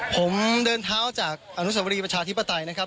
ผมเดินเท้าจากอนุสวรีประชาธิปไตยนะครับ